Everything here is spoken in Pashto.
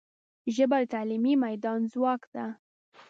ژبه د تعلیمي میدان ځواک ده